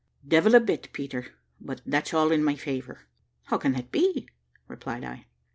"Devil a bit, Peter; but that's all in my favour." "How can that be?" replied I.